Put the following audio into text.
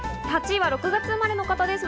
８位は６月生まれの方です。